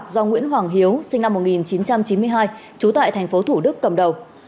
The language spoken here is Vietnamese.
do nguyễn hoàng hiếu sinh năm một nghìn chín trăm chín mươi hai trú tại thành phố thủ đức cầm đầu